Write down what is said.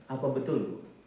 apa betul bu